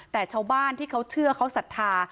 แต่ชาวบ้านที่เขาเชื่อเขาศรัทธา